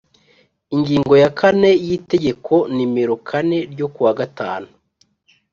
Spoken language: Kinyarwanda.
Ingingo ya kane y itegeko nomero kane ryo kuwa gatanu